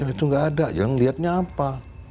itu nggak ada jangan lihatnya apa